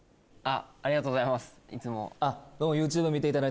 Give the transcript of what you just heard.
ありがとうございますいつも。